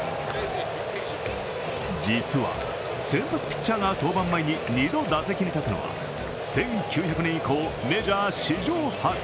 実は先発ピッチャーが登板前に２度打席に立つのは１９００年以降、メジャー史上初。